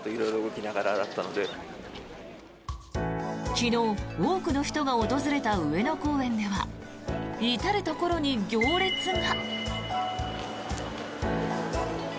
昨日、多くの人が訪れた上野公園では至るところに行列が。